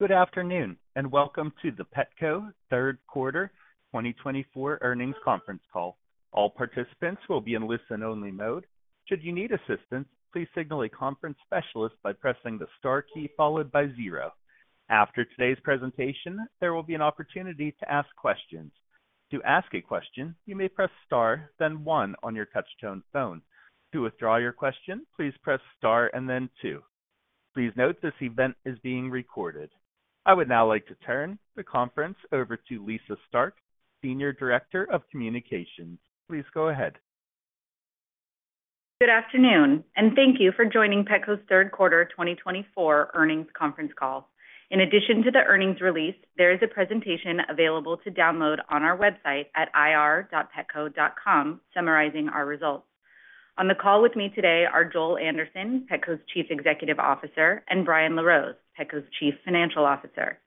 Good afternoon, and welcome to the Petco Q3 2024 earnings conference call. All participants will be in listen-only mode. Should you need assistance, please signal a conference specialist by pressing the star key followed by zero. After today's presentation, there will be an opportunity to ask questions. To ask a question, you may press star, then one on your touch-tone phone. To withdraw your question, please press star and then two. Please note this event is being recorded. I would now like to turn the conference over to Lisa Stark, Senior Director of Communications. Please go ahead. Good afternoon, and thank you for joining Petco Q3 2024 earnings conference call. In addition to the earnings release, there is a presentation available to download on our website at ir.petco.com summarizing our results. On the call with me today are Joel Anderson, Petco's Chief Executive Officer, and Brian LaRose, Petco's Chief Financial Officer.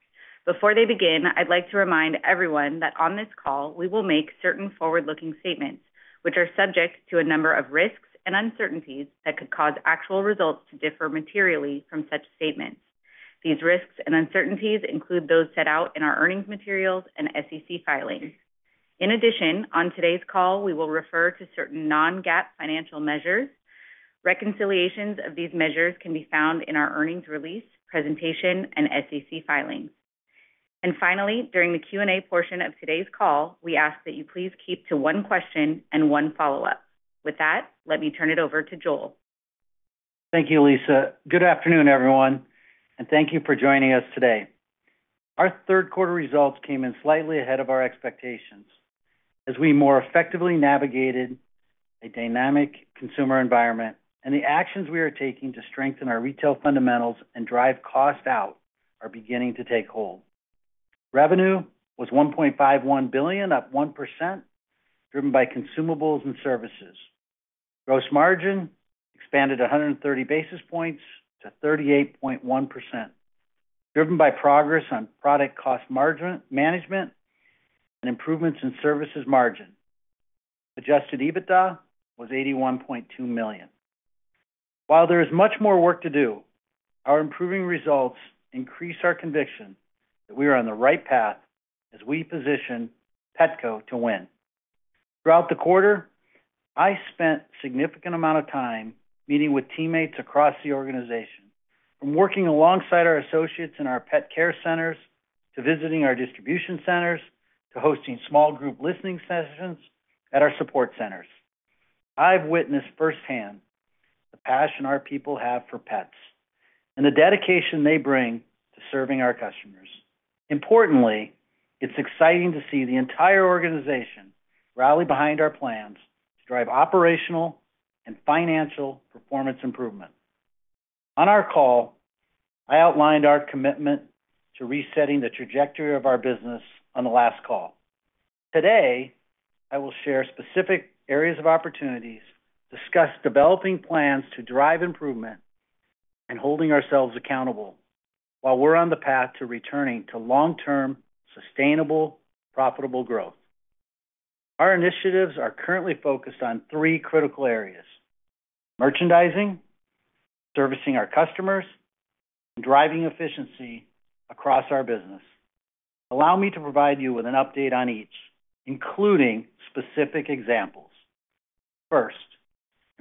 Before they begin, I'd like to remind everyone that on this call we will make certain forward-looking statements, which are subject to a number of risks and uncertainties that could cause actual results to differ materially from such statements. These risks and uncertainties include those set out in our earnings materials and SEC filings. In addition, on today's call we will refer to certain non-GAAP financial measures. Reconciliations of these measures can be found in our earnings release, presentation, and SEC filings. Finally, during the Q&A portion of today's call, we ask that you please keep to one question and one follow-up. With that, let me turn it over to Joel. Thank you, Lisa. Good afternoon, everyone, and thank you for joining us today. Our Q3 results came in slightly ahead of our expectations as we more effectively navigated a dynamic consumer environment, and the actions we are taking to strengthen our retail fundamentals and drive cost out are beginning to take hold. Revenue was $1.51 billion, up 1%, driven by consumables and services. Gross margin expanded 130 basis points to 38.1%, driven by progress on product cost management and improvements in services margin. Adjusted EBITDA was $81.2 million. While there is much more work to do, our improving results increase our conviction that we are on the right path as we position Petco to win. Throughout the quarter, I spent a significant amount of time meeting with teammates across the organization, from working alongside our associates in our pet care centers to visiting our distribution centers to hosting small group listening sessions at our support centers. I've witnessed firsthand the passion our people have for pets and the dedication they bring to serving our customers. Importantly, it's exciting to see the entire organization rally behind our plans to drive operational and financial performance improvement. On our call, I outlined our commitment to resetting the trajectory of our business on the last call. Today, I will share specific areas of opportunities, discuss developing plans to drive improvement, and holding ourselves accountable while we're on the path to returning to long-term, sustainable, profitable growth. Our initiatives are currently focused on three critical areas: merchandising, servicing our customers, and driving efficiency across our business. Allow me to provide you with an update on each, including specific examples. First,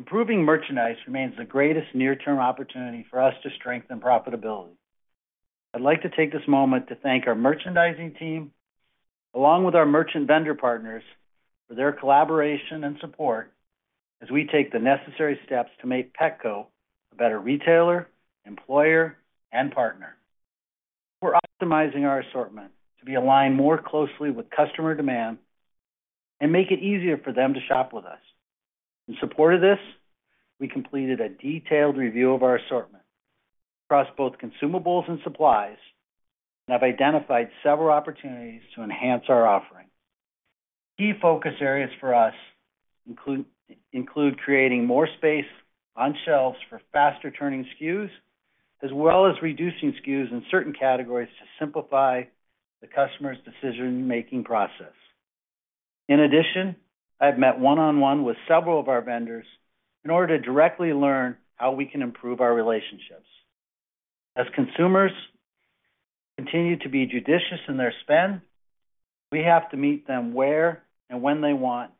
improving merchandise remains the greatest near-term opportunity for us to strengthen profitability. I'd like to take this moment to thank our merchandising team, along with our merchant vendor partners, for their collaboration and support as we take the necessary steps to make Petco a better retailer, employer, and partner. We're optimizing our assortment to be aligned more closely with customer demand and make it easier for them to shop with us. In support of this, we completed a detailed review of our assortment across both consumables and supplies, and have identified several opportunities to enhance our offering. Key focus areas for us include creating more space on shelves for faster turning SKUs, as well as reducing SKUs in certain categories to simplify the customer's decision-making process. In addition, I have met one-on-one with several of our vendors in order to directly learn how we can improve our relationships. As consumers continue to be judicious in their spend, we have to meet them where and when they want,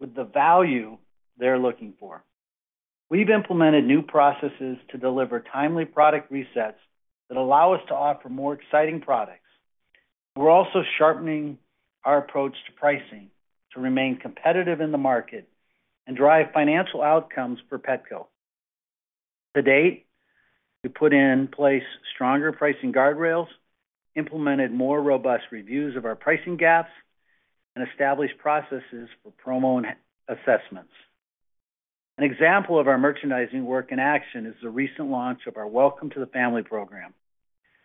with the value they're looking for. We've implemented new processes to deliver timely product resets that allow us to offer more exciting products. We're also sharpening our approach to pricing to remain competitive in the market and drive financial outcomes for Petco. To date, we've put in place stronger pricing guardrails, implemented more robust reviews of our pricing gaps, and established processes for promo and assessments. An example of our merchandising work in action is the recent launch of our Welcome to the Family program,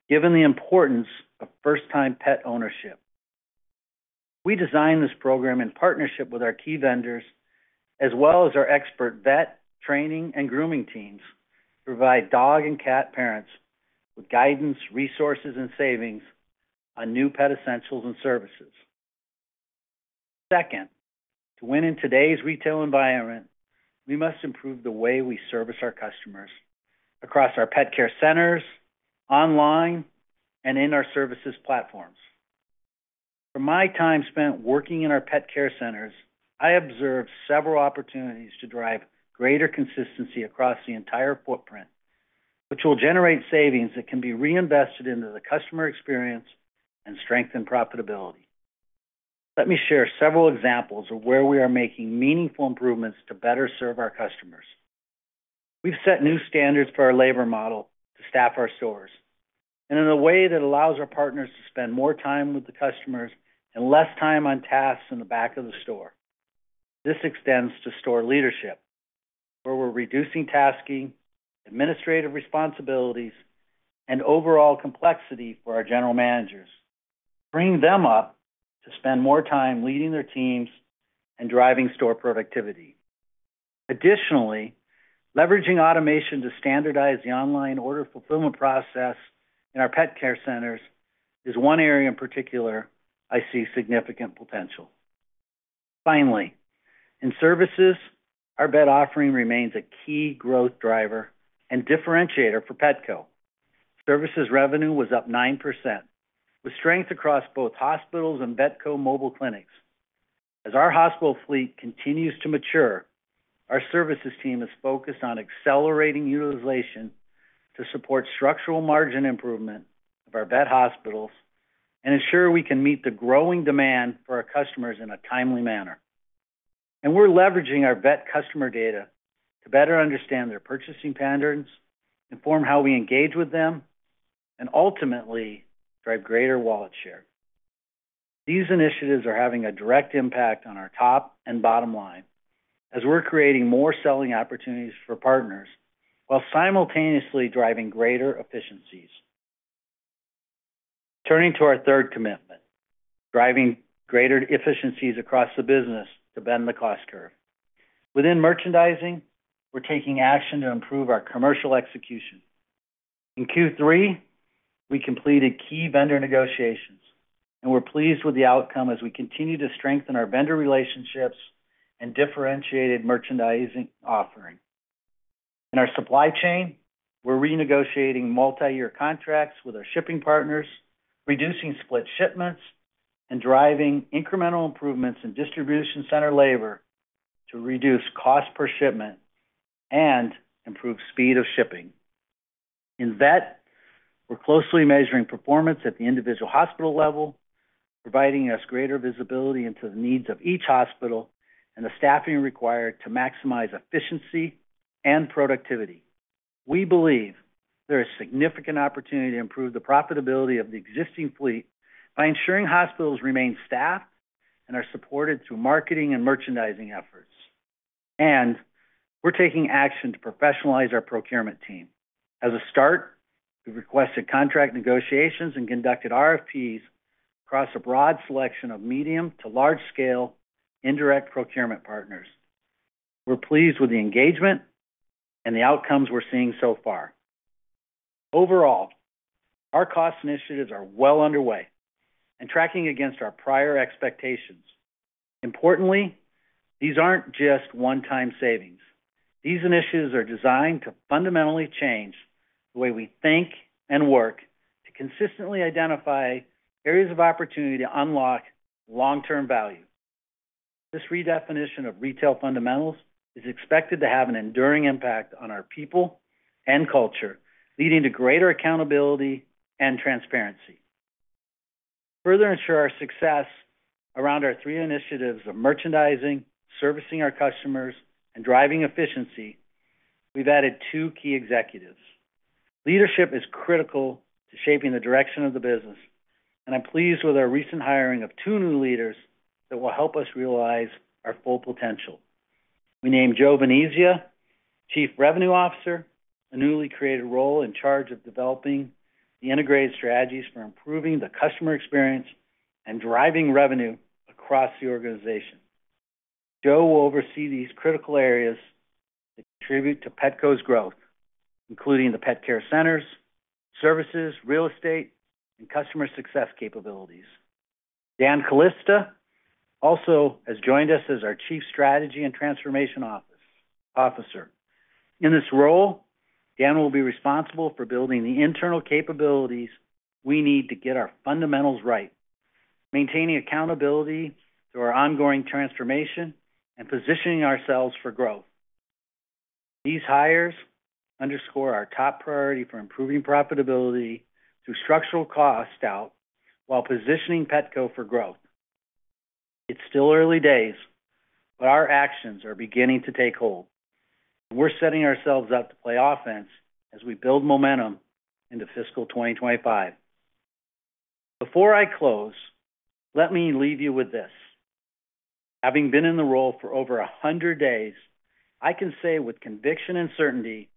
given the importance of first-time pet ownership. We designed this program in partnership with our key vendors, as well as our expert vet, training, and grooming teams to provide dog and cat parents with guidance, resources, and savings on new pet essentials and services. Second, to win in today's retail environment, we must improve the way we service our customers across our pet care centers, online, and in our services platforms. From my time spent working in our pet care centers, I observed several opportunities to drive greater consistency across the entire footprint, which will generate savings that can be reinvested into the customer experience and strengthen profitability. Let me share several examples of where we are making meaningful improvements to better serve our customers. We've set new standards for our labor model to staff our stores, and in a way that allows our partners to spend more time with the customers and less time on tasks in the back of the store. This extends to store leadership, where we're reducing tasking, administrative responsibilities, and overall complexity for our general managers, freeing them up to spend more time leading their teams and driving store productivity. Additionally, leveraging automation to standardize the online order fulfillment process in our pet care centers is one area in particular I see significant potential. Finally, in services, our vet offering remains a key growth driver and differentiator for Petco. Services revenue was up 9%, with strength across both hospitals and Vetco mobile clinics. As our hospital fleet continues to mature, our services team is focused on accelerating utilization to support structural margin improvement of our vet hospitals and ensure we can meet the growing demand for our customers in a timely manner. And we're leveraging our vet customer data to better understand their purchasing patterns, inform how we engage with them, and ultimately drive greater wallet share. These initiatives are having a direct impact on our top and bottom line as we're creating more selling opportunities for partners while simultaneously driving greater efficiencies. Turning to our Q3 commitment. Driving greater efficiencies across the business to bend the cost curve. Within merchandising, we're taking action to improve our commercial execution. In Q3, we completed key vendor negotiations, and we're pleased with the outcome as we continue to strengthen our vendor relationships and differentiated merchandising offering. In our supply chain, we're renegotiating multi-year contracts with our shipping partners, reducing split shipments, and driving incremental improvements in distribution center labor to reduce cost per shipment and improve speed of shipping. In vet, we're closely measuring performance at the individual hospital level, providing us greater visibility into the needs of each hospital and the staffing required to maximize efficiency and productivity. We believe there is significant opportunity to improve the profitability of the existing fleet by ensuring hospitals remain staffed and are supported through marketing and merchandising efforts, and we're taking action to professionalize our procurement team. As a start, we've requested contract negotiations and conducted RFPs across a broad selection of medium to large-scale indirect procurement partners. We're pleased with the engagement and the outcomes we're seeing so far. Overall, our cost initiatives are well underway and tracking against our prior expectations. Importantly, these aren't just one-time savings. These initiatives are designed to fundamentally change the way we think and work to consistently identify areas of opportunity to unlock long-term value. This redefinition of retail fundamentals is expected to have an enduring impact on our people and culture, leading to greater accountability and transparency. To further ensure our success around our three initiatives of merchandising, servicing our customers, and driving efficiency, we've added two key executives. Leadership is critical to shaping the direction of the business, and I'm pleased with our recent hiring of two new leaders that will help us realize our full potential. We named Joe Venezia, Chief Revenue Officer, a newly created role in charge of developing the integrated strategies for improving the customer experience and driving revenue across the organization. Joe will oversee these critical areas that contribute to Petco's growth, including the pet care centers, services, real estate, and customer success capabilities. Dan Calista also has joined us as our Chief Strategy and Transformation Officer. In this role, Dan will be responsible for building the internal capabilities we need to get our fundamentals right, maintaining accountability through our ongoing transformation and positioning ourselves for growth. These hires underscore our top priority for improving profitability through structural cost out while positioning Petco for growth. It's still early days, but our actions are beginning to take hold, and we're setting ourselves up to play offense as we build momentum into fiscal 2025. Before I close, let me leave you with this. Having been in the role for over 100 days, I can say with conviction and certainty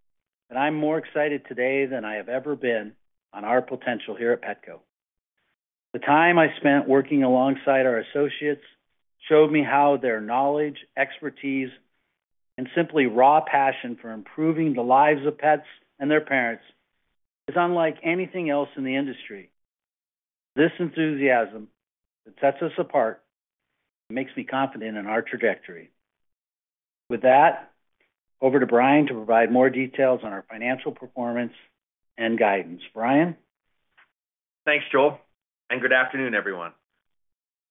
that I'm more excited today than I have ever been on our potential here at Petco. The time I spent working alongside our associates showed me how their knowledge, expertise, and simply raw passion for improving the lives of pets and their parents is unlike anything else in the industry. It's this enthusiasm that sets us apart and makes me confident in our trajectory. With that, over to Brian to provide more details on our financial performance and guidance. Brian. Thanks, Joel, and good afternoon, everyone.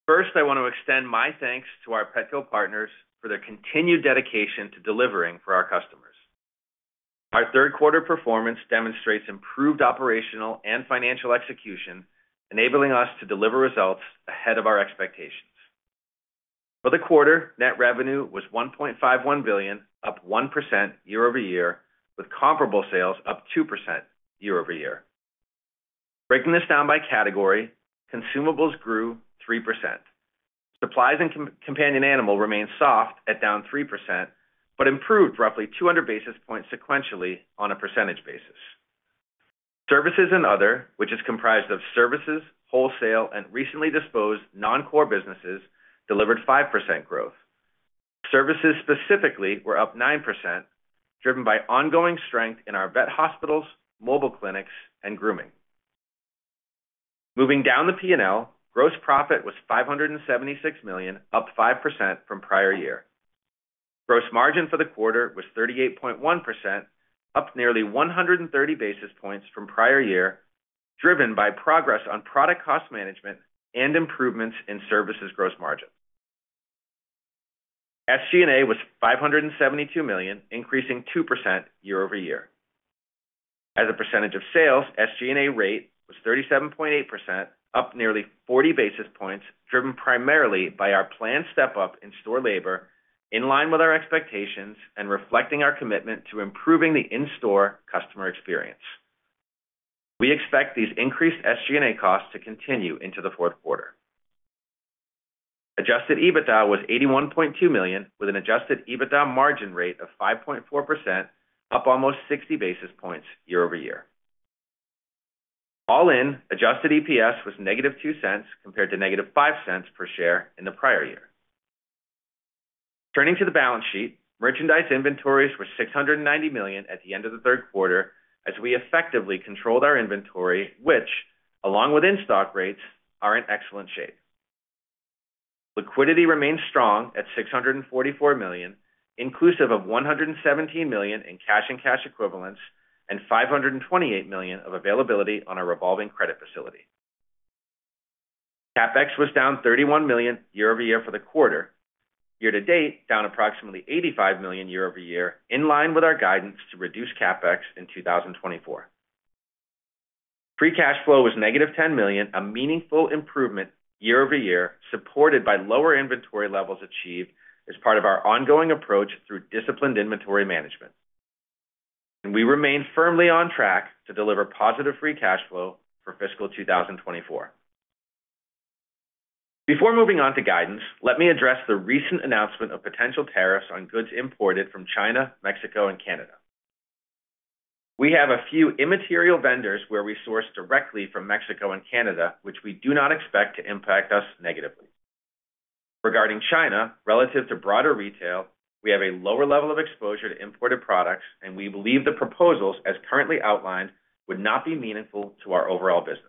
First, I want to extend my thanks to our Petco partners for their continued dedication to delivering for our customers. Our Q3 performance demonstrates improved operational and financial execution, enabling us to deliver results ahead of our expectations. For the quarter, net revenue was $1.51 billion, up 1% year over year, with comparable sales up 2% year over year. Breaking this down by category, consumables grew 3%. Supplies and companion animal remained soft at down 3% but improved roughly 200 basis points sequentially on a percentage basis. Services and other, which is comprised of services, wholesale, and recently disposed non-core businesses, delivered 5% growth. Services specifically were up 9%, driven by ongoing strength in our vet hospitals, mobile clinics, and grooming. Moving down the P&L, gross profit was $576 million, up 5% from prior year. Gross margin for the quarter was 38.1%, up nearly 130 basis points from prior year, driven by progress on product cost management and improvements in services gross margin. SG&A was $572 million, increasing 2% year over year. As a percentage of sales, SG&A rate was 37.8%, up nearly 40 basis points, driven primarily by our planned step-up in store labor in line with our expectations and reflecting our commitment to improving the in-store customer experience. We expect these increased SG&A costs to continue into the Q4. Adjusted EBITDA was $81.2 million, with an adjusted EBITDA margin rate of 5.4%, up almost 60 basis points year over year. All in, adjusted EPS was -$0.02 compared to -$0.05 per share in the prior year. Turning to the balance sheet, merchandise inventories were $690 million at the end of the Q3 as we effectively controlled our inventory, which, along with in-stock rates, are in excellent shape. Liquidity remained strong at $644 million, inclusive of $117 million in cash and cash equivalents and $528 million of availability on our revolving credit facility. CapEx was down $31 million year over year for the quarter. Year to date, down approximately $85 million year over year, in line with our guidance to reduce CapEx in 2024. Free cash flow was negative $10 million, a meaningful improvement year over year, supported by lower inventory levels achieved as part of our ongoing approach through disciplined inventory management, and we remain firmly on track to deliver positive free cash flow for fiscal 2024. Before moving on to guidance, let me address the recent announcement of potential tariffs on goods imported from China, Mexico, and Canada. We have a few immaterial vendors where we source directly from Mexico and Canada, which we do not expect to impact us negatively. Regarding China, relative to broader retail, we have a lower level of exposure to imported products, and we believe the proposals, as currently outlined, would not be meaningful to our overall business.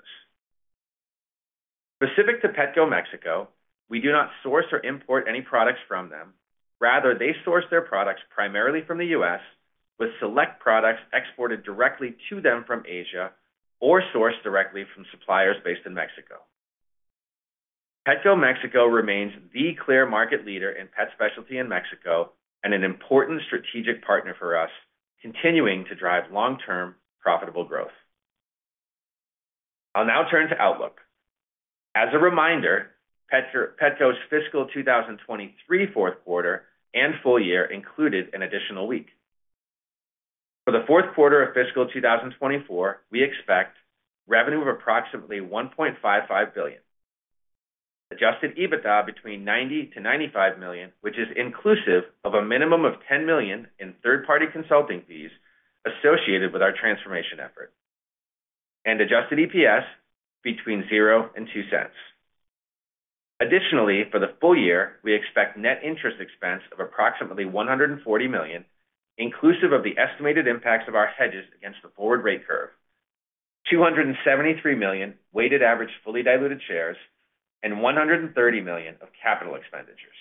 Specific to Petco Mexico, we do not source or import any products from them. Rather, they source their products primarily from the U.S., with select products exported directly to them from Asia or sourced directly from suppliers based in Mexico. Petco Mexico remains the clear market leader in pet specialty in Mexico and an important strategic partner for us, continuing to drive long-term profitable growth. I'll now turn to Outlook. As a reminder, Petco's fiscal 2023 Q4 and full year included an additional week. For the Q4 of fiscal 2024, we expect revenue of approximately $1.55 billion. Adjusted EBITDA between $90-$95 million, which is inclusive of a minimum of $10 million in third-party consulting fees associated with our transformation effort. And adjusted EPS between $0-$0.02. Additionally, for the full year, we expect net interest expense of approximately $140 million, inclusive of the estimated impacts of our hedges against the forward rate curve, 273 million weighted average fully diluted shares, and $130 million of capital expenditures.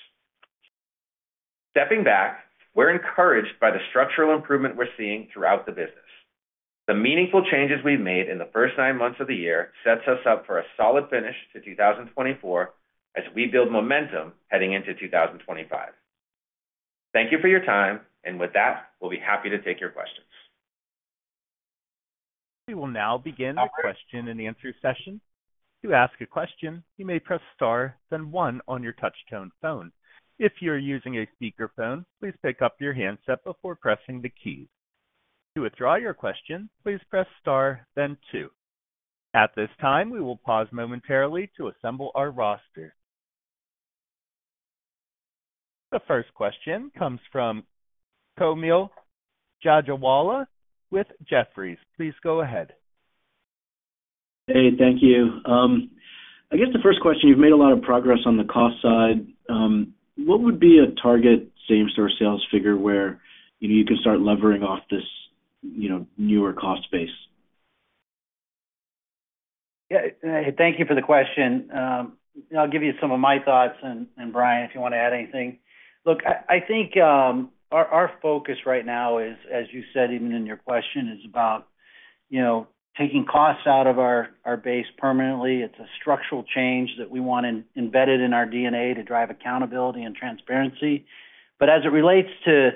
Stepping back, we're encouraged by the structural improvement we're seeing throughout the business. The meaningful changes we've made in the first nine months of the year sets us up for a solid finish to 2024 as we build momentum heading into 2025. Thank you for your time, and with that, we'll be happy to take your questions. We will now begin the question and answer session. To ask a question, you may press Star, then 1 on your touch-tone phone. If you're using a speakerphone, please pick up your handset before pressing the keys. To withdraw your question, please press Star, then 2. At this time, we will pause momentarily to assemble our roster. The first question comes from Kaumil Gajrawala with Jefferies. Please go ahead. Hey, thank you. I guess the first question, you've made a lot of progress on the cost side. What would be a target same-store sales figure where you can start levering off this newer cost base? Yeah, thank you for the question. I'll give you some of my thoughts, and Brian, if you want to add anything. Look, I think our focus right now is, as you said even in your question, is about taking costs out of our base permanently. It's a structural change that we want embedded in our DNA to drive accountability and transparency. But as it relates to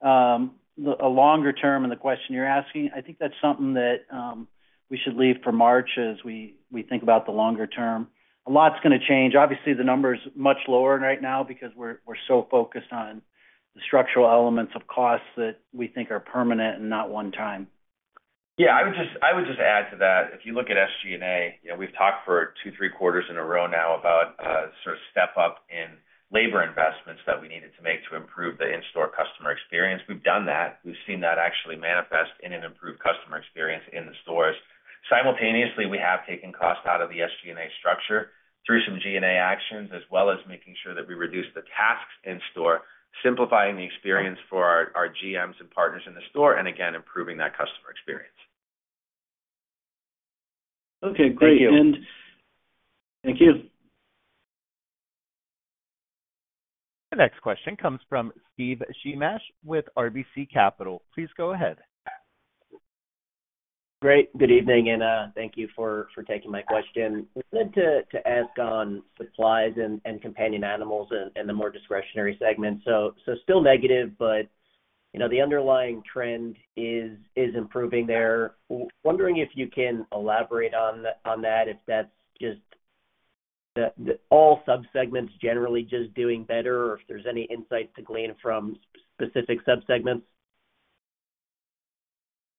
the longer term and the question you're asking, I think that's something that we should leave for March as we think about the longer term. A lot's going to change. Obviously, the number is much lower right now because we're so focused on the structural elements of costs that we think are permanent and not one-time. Yeah, I would just add to that. If you look at SG&A, we've talked for two, three quarters in a row now about sort of step-up in labor investments that we needed to make to improve the in-store customer experience. We've done that. We've seen that actually manifest in an improved customer experience in the stores. Simultaneously, we have taken cost out of the SG&A structure through some G&A actions, as well as making sure that we reduce the tasks in store, simplifying the experience for our GMs and partners in the store, and again, improving that customer experience. Okay, great. Thank you. Thank you. The next question comes from Steven Shemesh with RBC Capital Markets. Please go ahead. Great. Good evening, and thank you for taking my question. I wanted to ask on supplies and companion animals and the more discretionary segment. So still negative, but the underlying trend is improving there. Wondering if you can elaborate on that, if that's just all subsegments generally just doing better, or if there's any insight to glean from specific subsegments.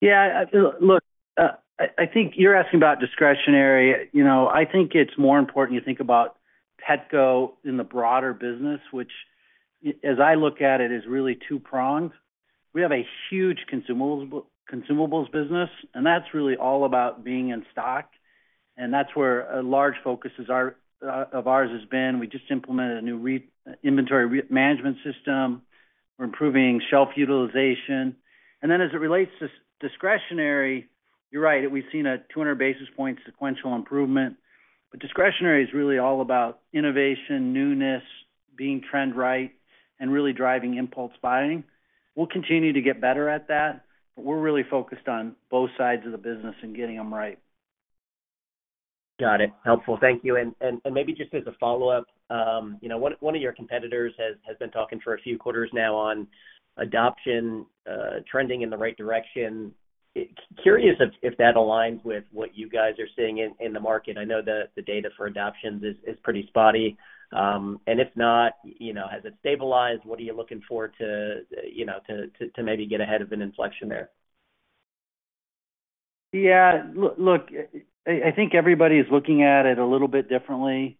Yeah, look, I think you're asking about discretionary. I think it's more important you think about Petco in the broader business, which, as I look at it, is really two-pronged. We have a huge consumables business, and that's really all about being in stock. And that's where a large focus of ours has been. We just implemented a new inventory management system. We're improving shelf utilization. And then, as it relates to discretionary, you're right, we've seen a 200 basis points sequential improvement. But discretionary is really all about innovation, newness, being trend right, and really driving impulse buying. We'll continue to get better at that, but we're really focused on both sides of the business and getting them right. Got it. Helpful. Thank you. And maybe just as a follow-up, one of your competitors has been talking for a few quarters now on adoption trending in the right direction. Curious if that aligns with what you guys are seeing in the market. I know the data for adoptions is pretty spotty. And if not, has it stabilized? What are you looking for to maybe get ahead of an inflection there? Yeah, look, I think everybody is looking at it a little bit differently.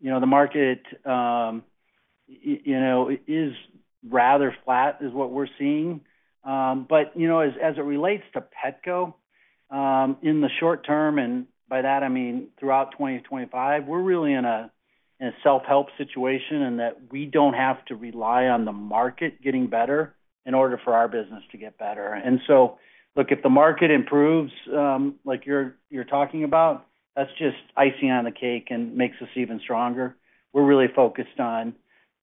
The market is rather flat, is what we're seeing. But as it relates to Petco in the short term, and by that, I mean throughout 2025, we're really in a self-help situation in that we don't have to rely on the market getting better in order for our business to get better. And so, look, if the market improves like you're talking about, that's just icing on the cake and makes us even stronger. We're really focused on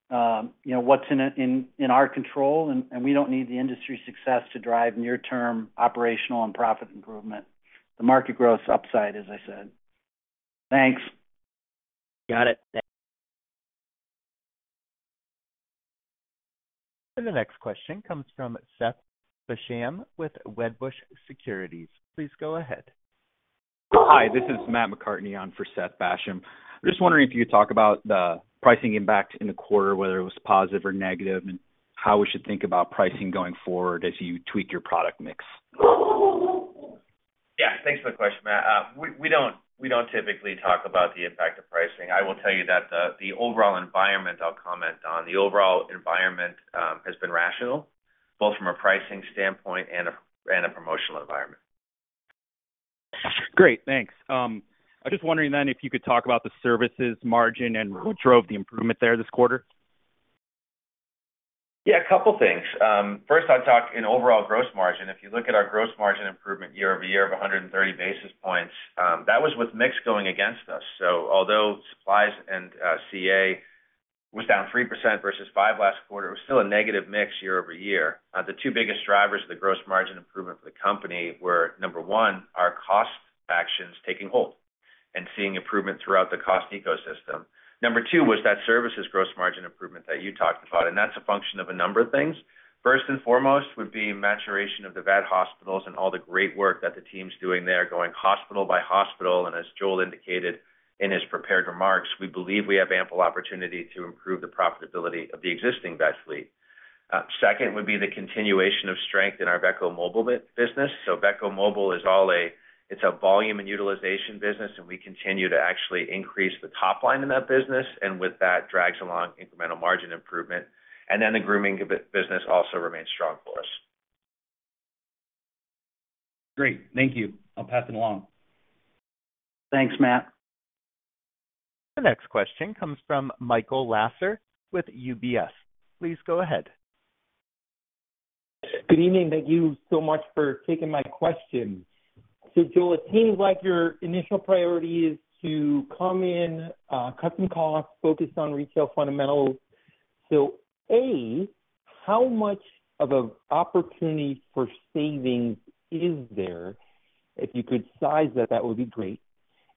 what's in our control, and we don't need the industry success to drive near-term operational and profit improvement. The market growth's upside, as I said. Thanks. Got it. The next question comes from Seth Basham with Wedbush Securities. Please go ahead. Hi, this is Matt McCartney on for Seth Basham. I'm just wondering if you could talk about the pricing impact in the quarter, whether it was positive or negative, and how we should think about pricing going forward as you tweak your product mix. Yeah, thanks for the question, Matt. We don't typically talk about the impact of pricing. I will tell you that the overall environment I'll comment on has been rational, both from a pricing standpoint and a promotional environment. Great, thanks. I was just wondering then if you could talk about the services margin and what drove the improvement there this quarter. Yeah, a couple of things. First, I'll talk in overall gross margin. If you look at our gross margin improvement year over year of 130 basis points, that was with mix going against us. So although supplies and CA was down 3% versus 5% last quarter, it was still a negative mix year over year. The two biggest drivers of the gross margin improvement for the company were, number one, our cost actions taking hold and seeing improvement throughout the cost ecosystem. Number two was that services gross margin improvement that you talked about, and that's a function of a number of things. First and foremost would be maturation of the vet hospitals and all the great work that the team's doing there going hospital by hospital, and as Joel indicated in his prepared remarks, we believe we have ample opportunity to improve the profitability of the existing vet fleet. Second would be the continuation of strength in our Vetco Mobile business. So Vetco Mobile is all a volume and utilization business, and we continue to actually increase the top line in that business, and with that drags along incremental margin improvement, and then the grooming business also remains strong for us. Great, thank you. I'll pass it along. Thanks, Matt. The next question comes from Michael Lasser with UBS. Please go ahead. Good evening. Thank you so much for taking my question. So Joel, it seems like your initial priority is to come in and cut costs focused on retail fundamentals. So A, how much of an opportunity for savings is there? If you could size that, that would be great.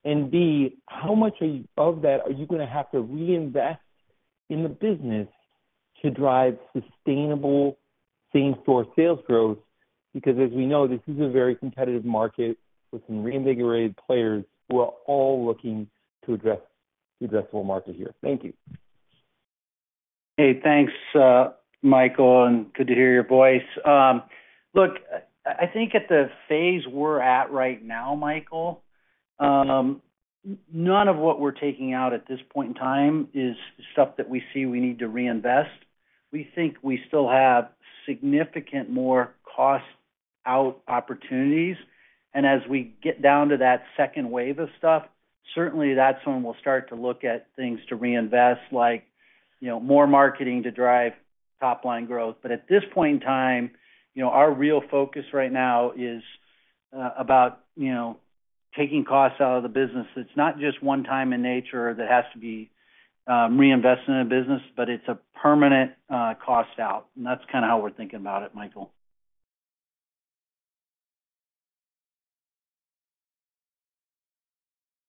And B, how much of that are you going to have to reinvest in the business to drive sustainable same-store sales growth? Because as we know, this is a very competitive market with some reinvigorated players who are all looking to address the addressable market here. Thank you. Hey, thanks, Michael, and good to hear your voice. Look, I think at the phase we're at right now, Michael, none of what we're taking out at this point in time is stuff that we see we need to reinvest. We think we still have significant more cost-out opportunities. And as we get down to that second wave of stuff, certainly that's when we'll start to look at things to reinvest, like more marketing to drive top-line growth. But at this point in time, our real focus right now is about taking costs out of the business. It's not just one-time in nature that has to be reinvested in a business, but it's a permanent cost-out. And that's kind of how we're thinking about it, Michael.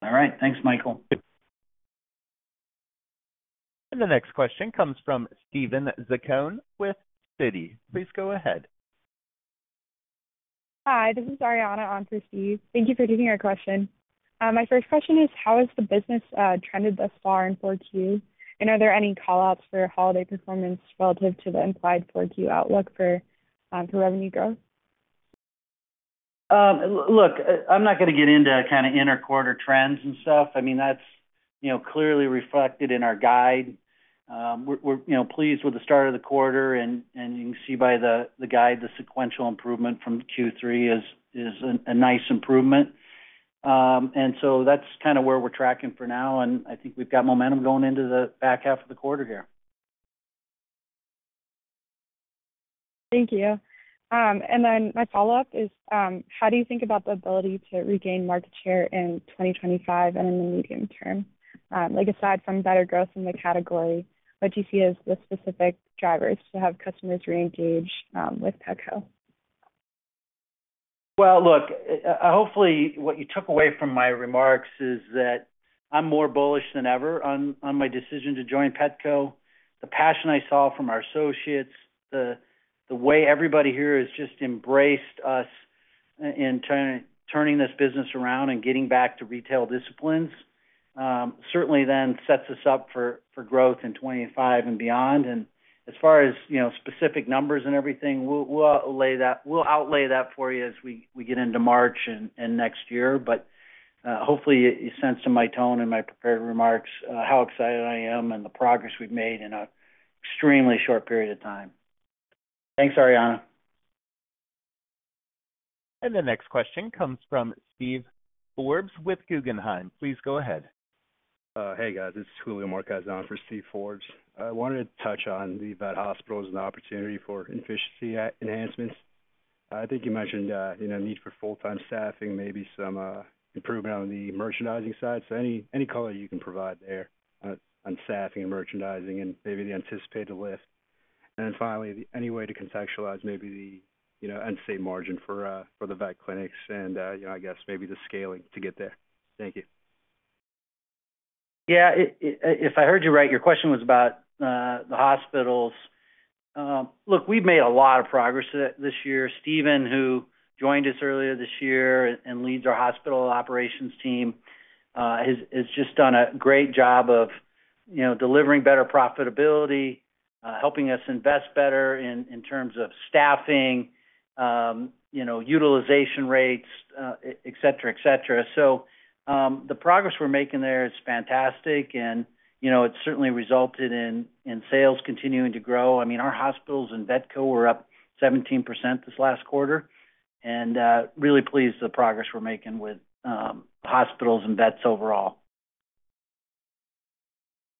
All right, thanks, Michael. The next question comes from Steven Zaccone with Citi. Please go ahead. Hi, this is Ariana on for Steve. Thank you for taking our question. My first question is, how has the business trended thus far in 4Q, and are there any callouts for holiday performance relative to the implied 4Q outlook for revenue growth? Look, I'm not going to get into kind of interquarter trends and stuff. I mean, that's clearly reflected in our guide. We're pleased with the start of the quarter, and you can see by the guide the sequential improvement from Q3 is a nice improvement. And so that's kind of where we're tracking for now, and I think we've got momentum going into the back half of the quarter here. Thank you. And then my follow-up is, how do you think about the ability to regain market share in 2025 and in the medium term? Aside from better growth in the category, what do you see as the specific drivers to have customers re-engage with Petco? Look, hopefully what you took away from my remarks is that I'm more bullish than ever on my decision to join Petco. The passion I saw from our associates, the way everybody here has just embraced us in turning this business around and getting back to retail disciplines certainly then sets us up for growth in 2025 and beyond. As far as specific numbers and everything, we'll lay out that for you as we get into March and next year. Hopefully you sense in my tone and my prepared remarks how excited I am and the progress we've made in an extremely short period of time. Thanks, Ariana. The next question comes from Steve Forbes with Guggenheim. Please go ahead. Hey, guys. This is Julio Marquez for Steve Forbes. I wanted to touch on the vet hospitals and the opportunity for efficiency enhancements. I think you mentioned the need for full-time staffing, maybe some improvement on the merchandising side. So any color you can provide there on staffing and merchandising and maybe the anticipated lift. And then finally, any way to contextualize maybe the gross margin for the vet clinics and I guess maybe the scaling to get there. Thank you. Yeah, if I heard you right, your question was about the hospitals. Look, we've made a lot of progress this year. Steven, who joined us earlier this year and leads our hospital operations team, has just done a great job of delivering better profitability, helping us invest better in terms of staffing, utilization rates, etc., etc. So the progress we're making there is fantastic, and it's certainly resulted in sales continuing to grow. I mean, our hospitals and Vetco were up 17% this last quarter, and really pleased with the progress we're making with hospitals and vets overall.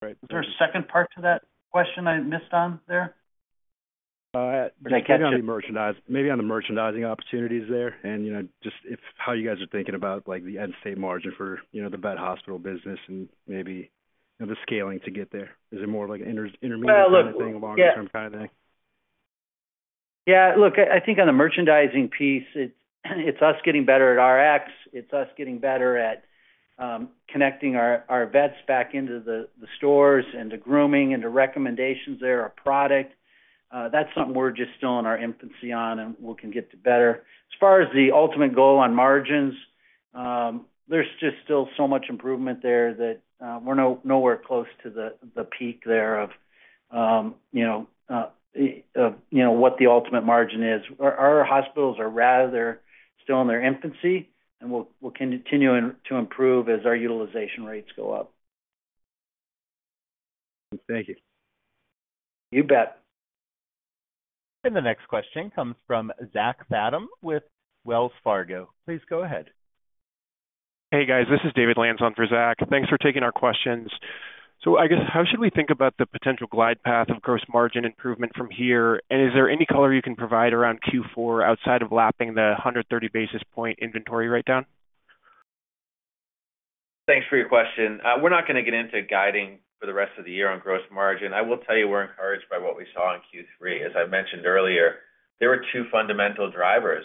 Is there a second part to that question I missed on there? Maybe on the merchandising opportunities there and just how you guys are thinking about the upside margin for the vet hospital business and maybe the scaling to get there. Is it more of like an intermediate kind of thing, a longer-term kind of thing? Yeah, look, I think on the merchandising piece, it's us getting better at Rx. It's us getting better at connecting our vets back into the stores and the grooming and the recommendations there or product. That's something we're just still in our infancy on, and we can get to better. As far as the ultimate goal on margins, there's just still so much improvement there that we're nowhere close to the peak there of what the ultimate margin is. Our hospitals are rather still in their infancy, and we'll continue to improve as our utilization rates go up. Thank you. You bet. The next question comes from Zach Fadem with Wells Fargo. Please go ahead. Hey, guys. This is David Lantz for Zach. Thanks for taking our questions. So I guess, how should we think about the potential glide path of gross margin improvement from here? And is there any color you can provide around Q4 outside of lapping the 130 basis point inventory write-down? Thanks for your question. We're not going to get into guiding for the rest of the year on gross margin. I will tell you we're encouraged by what we saw in Q3. As I mentioned earlier, there were two fundamental drivers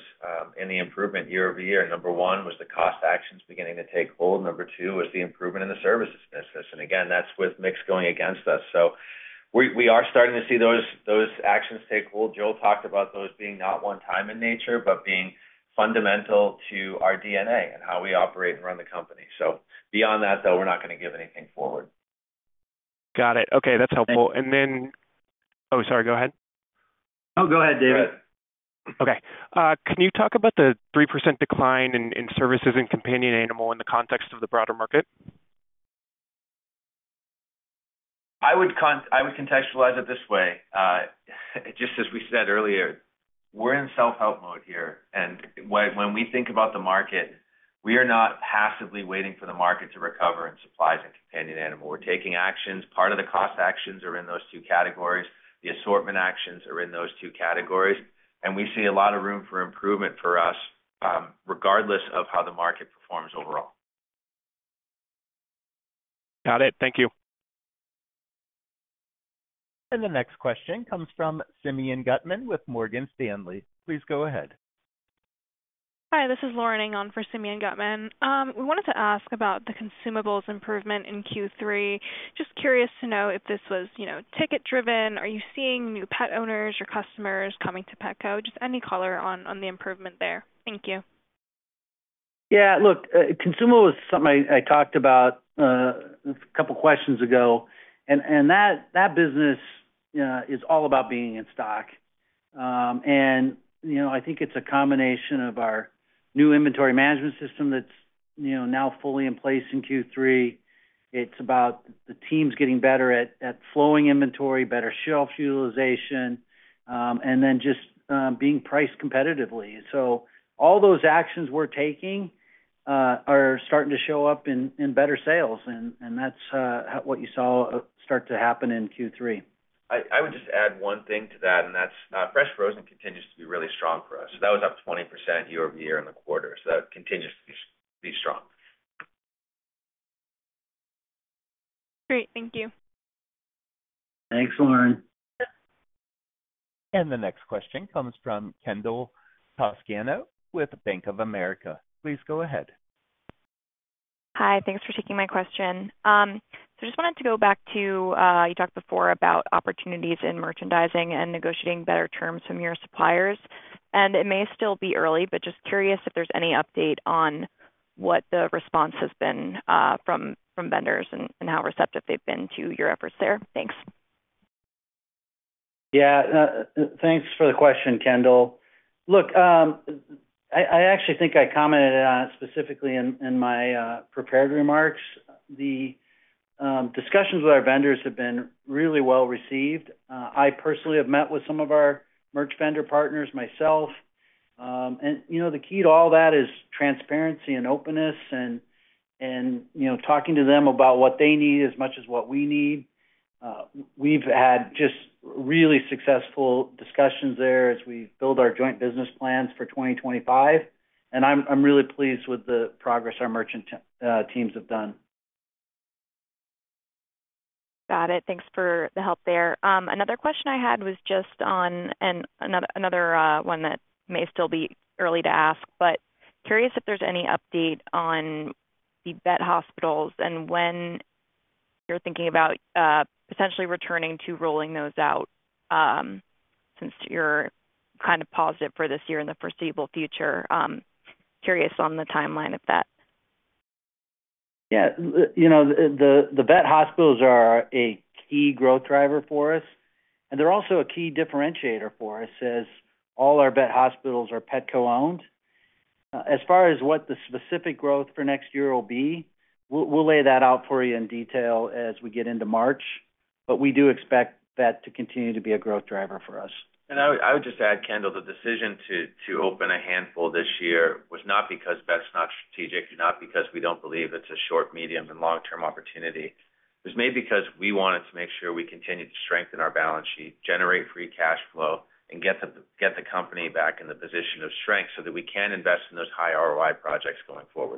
in the improvement year over year. Number one was the cost actions beginning to take hold. Number two was the improvement in the services business. And again, that's with mix going against us. So we are starting to see those actions take hold. Joel talked about those being not one-time in nature, but being fundamental to our DNA and how we operate and run the company. So beyond that, though, we're not going to give anything forward. Got it. Okay, that's helpful. And then, oh, sorry, go ahead. Oh, go ahead, David. Okay. Can you talk about the 3% decline in supplies and companion animal in the context of the broader market? I would contextualize it this way. Just as we said earlier, we're in self-help mode here. And when we think about the market, we are not passively waiting for the market to recover in supplies and companion animal. We're taking actions. Part of the cost actions are in those two categories. The assortment actions are in those two categories. And we see a lot of room for improvement for us regardless of how the market performs overall. Got it. Thank you. The next question comes from Simeon Gutman with Morgan Stanley. Please go ahead. Hi, this is Lauren Englund for Simeon Gutman. We wanted to ask about the consumables improvement in Q3. Just curious to know if this was ticket-driven. Are you seeing new pet owners or customers coming to Petco? Just any color on the improvement there. Thank you. Yeah, look, consumables is something I talked about a couple of questions ago. And that business is all about being in stock. And I think it's a combination of our new inventory management system that's now fully in place in Q3. It's about the teams getting better at flowing inventory, better shelf utilization, and then just being priced competitively. So all those actions we're taking are starting to show up in better sales. And that's what you saw start to happen in Q3. I would just add one thing to that, and that's fresh frozen continues to be really strong for us. So that was up 20% year over year in the quarter. So that continues to be strong. Great. Thank you. Thanks, Lauren. The next question comes from Kendall Toscano with Bank of America. Please go ahead. Hi, thanks for taking my question. So I just wanted to go back to you talked before about opportunities in merchandising and negotiating better terms from your suppliers. And it may still be early, but just curious if there's any update on what the response has been from vendors and how receptive they've been to your efforts there. Thanks. Yeah, thanks for the question, Kendall. Look, I actually think I commented on it specifically in my prepared remarks. The discussions with our vendors have been really well received. I personally have met with some of our merch vendor partners myself. And the key to all that is transparency and openness and talking to them about what they need as much as what we need. We've had just really successful discussions there as we build our joint business plans for 2025. And I'm really pleased with the progress our merchant teams have done. Got it. Thanks for the help there. Another question I had was just on another one that may still be early to ask, but curious if there's any update on the vet hospitals and when you're thinking about potentially returning to rolling those out since you're kind of positive for this year in the foreseeable future. Curious on the timeline of that? Yeah, the vet hospitals are a key growth driver for us. And they're also a key differentiator for us as all our vet hospitals are Petco-owned. As far as what the specific growth for next year will be, we'll lay that out for you in detail as we get into March. But we do expect that to continue to be a growth driver for us. And I would just add, Kendall, the decision to open a handful this year was not because that's not strategic and not because we don't believe it's a short, medium, and long-term opportunity. It was made because we wanted to make sure we continued to strengthen our balance sheet, generate free cash flow, and get the company back in the position of strength so that we can invest in those high ROI projects going forward.